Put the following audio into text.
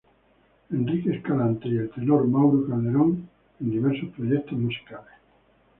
Enrique Escalante y el Tenor Mauro Calderón en diversos proyectos musicales.